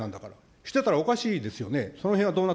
してたら、おかしいですよね。